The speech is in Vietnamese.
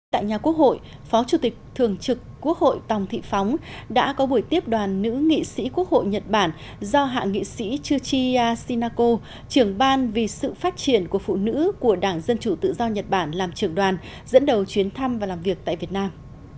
tại nhà quốc hội phó chủ tịch thường trực quốc hội tòng thị phóng đã có buổi tiếp đoàn nữ nghị sĩ quốc hội nhật bản do hạ nghị sĩ chuchi sinaco trưởng ban vì sự phát triển của phụ nữ của đảng dân chủ tự do nhật bản làm trưởng đoàn dẫn đầu chuyến thăm và làm việc tại việt nam